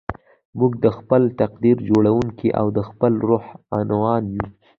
موږ د خپل تقدير جوړوونکي او د خپل روح عنوان يو.